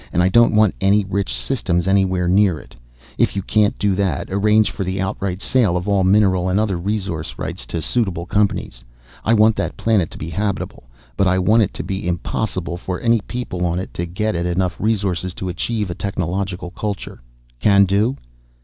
And I don't want any rich systems anywhere near it. If you can't do that, arrange for the outright sale of all mineral and other resource rights to suitable companies. I want that planet to be habitable, but I want it to be impossible for any people on it to get at enough resources to achieve a technological culture. Can do?"